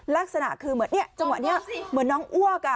ลักษณะคือเหมือนเนี่ยจังหวะนี้เหมือนน้องอ้วก